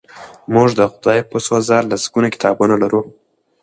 موږ د خدای په سوژه لسګونه کتابونه لرو.